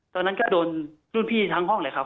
ตอนนั้นก็โดนรุ่นพี่ทั้งห้องเลยครับ